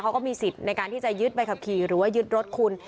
เขาก็มีสิทธิ์ในการที่จะยึดใบขับขี่หรือว่ายึดรถคุณ